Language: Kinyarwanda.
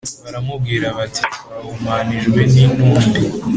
baramubwira bati Twahumanijwe n intumbi